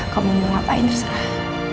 kamu mau ngapain terserah